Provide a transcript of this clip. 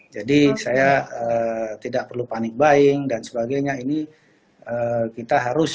jadi saya tidak perlu panik baing dan sebagainya ini kita harus